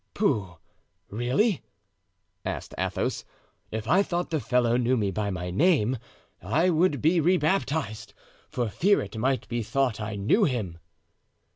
"Pooh! really?" asked Athos. "If I thought the fellow knew me by my name I would be rebaptized, for fear it might be thought I knew him."